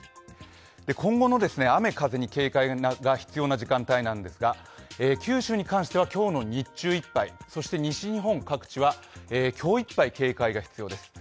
今後の雨風に警戒が必要な時間帯なんですが九州に関しては今日の日中いっぱい、そして西日本各地は今日いっぱい警戒が必要です。